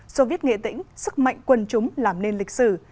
soviet nghệ tĩnh sức mạnh quân chúng làm nên lịch sử